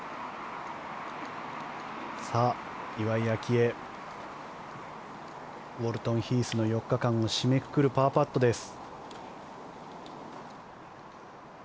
岩井明愛ウォルトンヒースの４日間を締めくくるパーパットです。